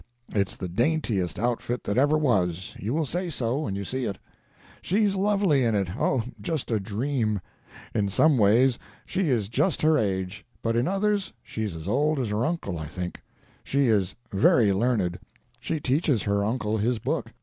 It's the daintiest outfit that ever was—you will say so, when you see it. She's lovely in it—oh, just a dream! In some ways she is just her age, but in others she's as old as her uncle, I think. She is very learned. She teaches her uncle his book.